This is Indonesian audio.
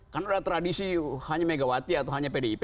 karena ada tradisi hanya megawati atau hanya pdip